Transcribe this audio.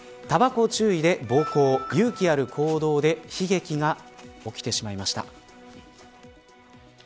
たばこ注意で暴行勇気ある行動で悲劇が起きてしまいました。